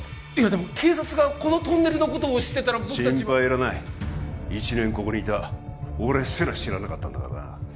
でも警察がこのトンネルのことを知ってたら僕たち心配いらない１年ここにいた俺すら知らなかったんだからな